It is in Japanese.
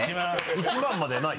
１万までない？